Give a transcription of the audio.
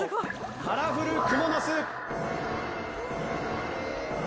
カラフルクモの巣！